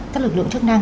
các lực lượng chức năng